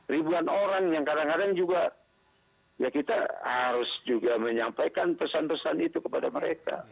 ribuan orang yang kadang kadang juga ya kita harus juga menyampaikan pesan pesan itu kepada mereka